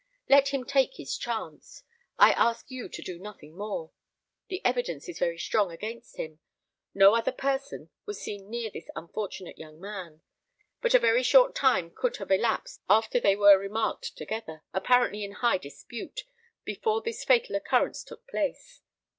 Let him take his chance. I ask you to do nothing more. The evidence is very strong against him. No other person was seen near this unfortunate young man. But a very short time could have elapsed after they were remarked together, apparently in high dispute, before this fatal occurrence took place.